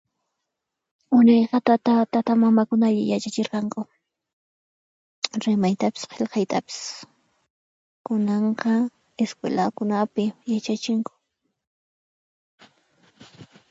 {No audible} tata tatamamakunalla yachachiqku rimaytapis qilqaytapis, kunanqa escuelakunapi yachachinku.